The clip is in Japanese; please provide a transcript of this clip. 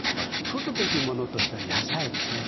とるべきものとしては野菜ですね。